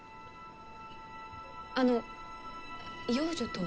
あの養女とは？